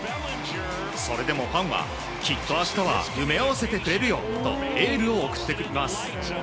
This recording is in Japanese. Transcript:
それでもファンはきっと明日は埋め合わせてくれるよとエールを送っています。